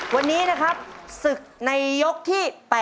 วันนี้นะครับศึกในยกที่๘